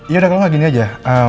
yaudah kalau nggak gini aja